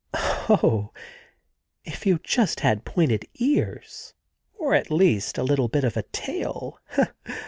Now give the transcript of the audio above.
Oh! if you just had pointed ears, or the least little bit of a tail!